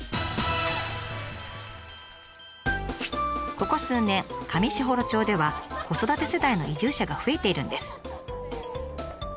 ここ数年上士幌町では子育て世代の移住者が増えているんです。